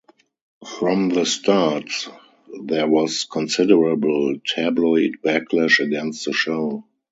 From the start, there was considerable tabloid backlash against the show.